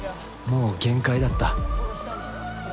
もう限界だった。